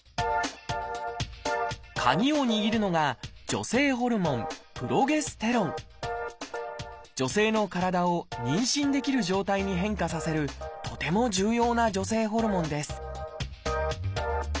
カギを握るのが女性ホルモン女性の体を妊娠できる状態に変化させるとても重要な女性ホルモンです